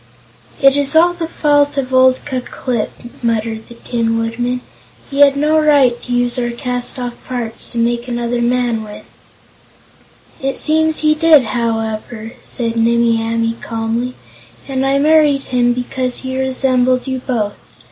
"It is all the fault of old Ku Klip," muttered the Tin Woodman. "He had no right to use our castoff parts to make another man with." "It seems he did it, however," said Nimmie Amee calmly, "and I married him because he resembled you both.